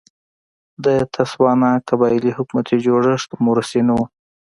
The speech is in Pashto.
د تسوانا قبایلي حکومتي جوړښت موروثي نه و.